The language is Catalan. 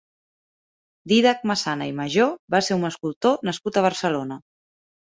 Dídac Masana i Majó va ser un escultor nascut a Barcelona.